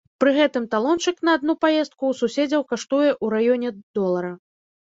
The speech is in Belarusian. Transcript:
Пры гэтым талончык на адну паездку ў суседзяў каштуе ў раёне долара.